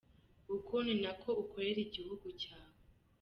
Uku ni nako ukorera igihugu cyawe.